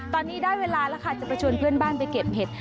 ตอนนี้ได้เวลาแล้วค่ะจะไปชวนเพื่อนบ้านไปเก็บเห็ด